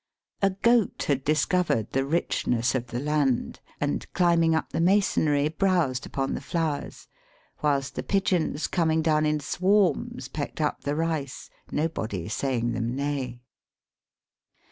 A goat had discovered the richness of the land, and, climbing up the masonry, browsed upon the flowers ; whilst the pigeons, coming down in swarms, pecked up the rice, nobody saying them nay.